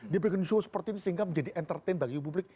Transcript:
dia bikin show seperti ini sehingga menjadi entertain bagi publik